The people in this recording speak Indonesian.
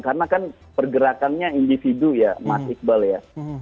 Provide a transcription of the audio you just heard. karena kan pergerakannya individu ya mas iqbal ya